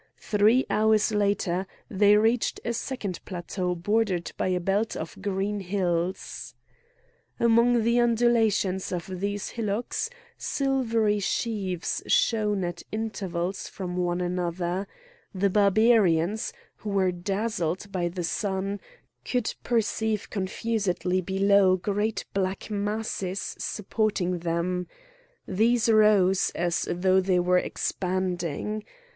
Three hours later they reached a second plateau bordered by a belt of green hills. Among the undulations of these hillocks, silvery sheaves shone at intervals from one another; the Barbarians, who were dazzled by the sun, could perceive confusedly below great black masses supporting them; these rose, as though they were expanding.